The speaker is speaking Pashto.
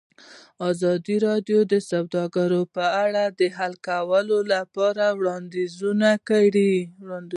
ازادي راډیو د سوداګري په اړه د حل کولو لپاره وړاندیزونه کړي.